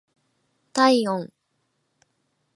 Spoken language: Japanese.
体温